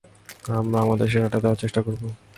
আমরা আমাদের সেরাটা দেওয়ার চেষ্টা করবো।